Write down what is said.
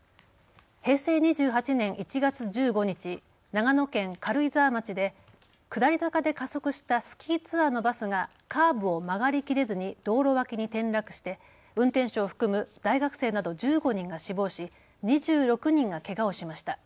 平成２８年１月１５日、長野県軽井沢町で下り坂で加速したスキーツアーのバスがカーブを曲がりきれずに道路脇に転落して運転手を含む大学生など１５人が死亡し２６人がけがをしました。